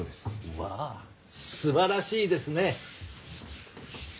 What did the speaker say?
うわあ素晴らしいですね。